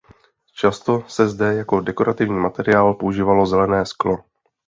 Často se zde jako dekorativní materiál používalo zelené sklo.